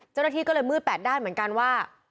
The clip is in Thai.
เจ้าหน้าที่ก็เลยมืดแปดด้านเหมือนกันว่า